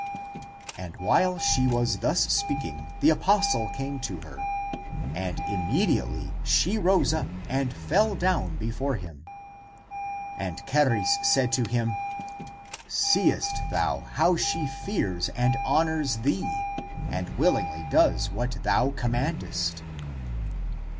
And while she was thus speaking, the apostle came to her. And immediately she rose up and fell down before him. And Charis said to him, " Seest thou how she fears and honors thee, and willingly does what thou commandest